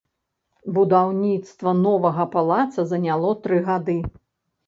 Будаўніцтва новага палаца заняло тры гады.